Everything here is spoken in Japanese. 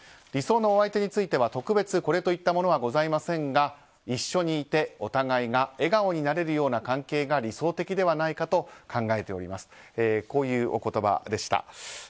理想のお相手については特別これといったものはございませんが一緒にいてお互いが笑顔になれるような関係が理想的ではないかと考えておりますとこういうお言葉でした。